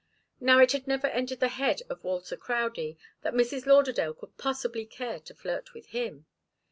Now, it had never entered the head of Walter Crowdie that Mrs. Lauderdale could possibly care to flirt with him.